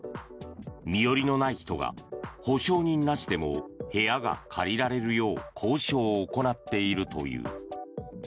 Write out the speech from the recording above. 身寄りのない人が保証人なしでも部屋が借りられるよう交渉を行っているという。